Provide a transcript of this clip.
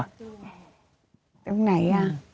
แต่ว่าไหน